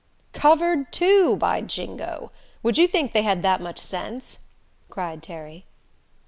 "Covered, too, by jingo! Would you think they had that much sense?" cried Terry.